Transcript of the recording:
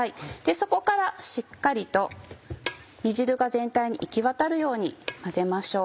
底からしっかりと煮汁が全体に行きわたるように混ぜましょう。